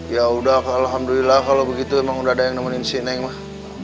ya udah alhamdulillah kalau begitu emang udah ada yang nemenin abah